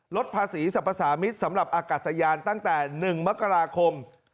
ลดภาษีสรรพสามิตรสำหรับอากาศยานตั้งแต่๑มกราคม